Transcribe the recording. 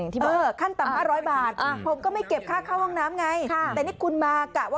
เติมครั้งหนึ่งผมก็ไปเก็บอ่าอ้าวผมไปเติมปั๊มอื่นมาแล้วอ่ะ